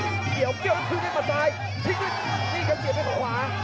เหยียบเก้ารับถืงข้างซ้ายทิ้งลืดนี่ก็เปลี่ยนออกไปขวา